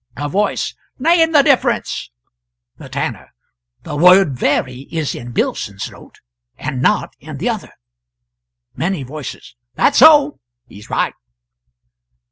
A Voice. "Name the difference." The Tanner. "The word very is in Billson's note, and not in the other." Many Voices. "That's so he's right!"